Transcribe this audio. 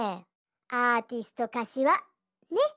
「アーティストかしわ」ねっ！